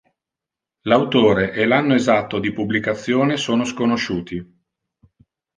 L'autore e l'anno esatto di pubblicazione sono sconosciuti.